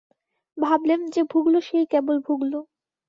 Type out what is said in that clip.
ভাবলেম, যে ভুগল সেই কেবল ভুগল।